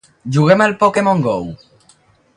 Juguem al "Pokémon Go".